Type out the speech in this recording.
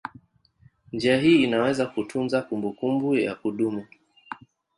Njia hii inaweza kutunza kumbukumbu ya kudumu.